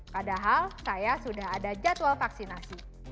padahal saya sudah ada jadwal vaksinasi